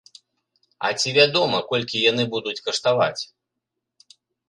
А ці вядома, колькі яны будуць каштаваць?